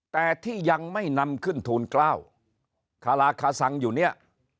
แต่ที่ยังไม่นำขึ้นทูลเกล้าคาราคาซังอยู่เนี่ย